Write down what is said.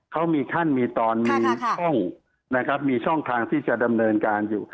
เขามีขั้นมีตอนมีช่องทางที่จะดำเนินการอยู่